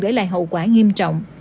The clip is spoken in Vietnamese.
để lại hậu quả nghiêm trọng